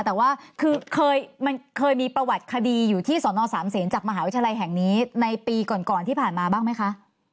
แต่ว่าคือมันเคยมีประวัติคดีอยู่ที่สนสามเศษจากมหาวิทยาลัยแห่งนี้ในปีก่อนที่ผ่านมาบ้างไหมคะ